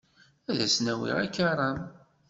Ad asen-awiɣ akaram.